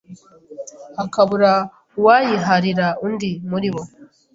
hakabura uwayiharira undi. muri bo